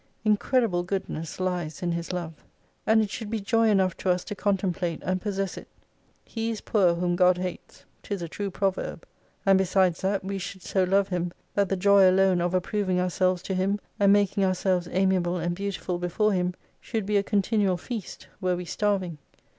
Incredible Goodness lies in His Love. And it should be joy enough to us to contemplate and possess it. He is poor whom God hates : 'tis a true proverb. And besides that, we should so love Him, that the joy alone of approving ourselves to Him, and making ourselves amiable and beautiful before Him should be a continual feast, were we starving.